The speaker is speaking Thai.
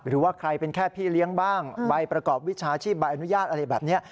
หรือว่าใครเป็นแค่พี่เลี้ยงบ้างใบประกอบวิชาชีพใบอนุญาตอะไรแบบนี้